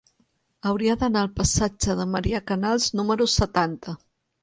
Hauria d'anar al passatge de Maria Canals número setanta.